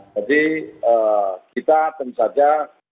jadi kita tentu saja